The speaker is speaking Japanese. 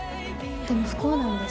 でも不幸なんです。